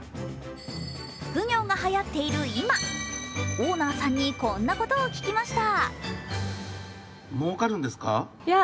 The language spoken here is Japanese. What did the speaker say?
副業がはやっている今、オーナーさんにこんなことを聞きました。